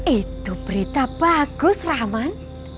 itu berita bagus rahman